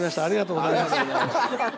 ありがとうございます。